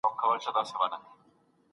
د نورو ژبو په زده کړه کي هڅه وکړئ.